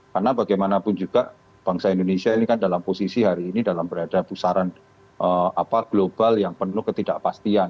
karena bagaimanapun juga bangsa indonesia ini kan dalam posisi hari ini dalam berada pusaran global yang penuh ketidakpastian